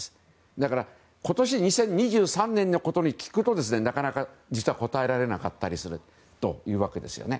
だから今年２０２３年のことを聞くとなかなか、実は答えられなかったりするということなんですね。